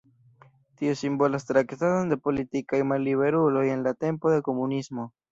Tio simbolas traktadon de politikaj malliberuloj en la tempo de komunismo.